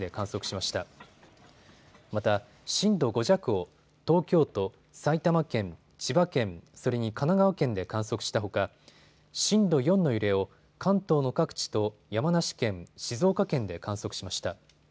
また震度５弱を東京都、埼玉県、千葉県、それに神奈川県で観測したほか震度４の揺れを関東の各地と山梨県、静岡県で観測しました。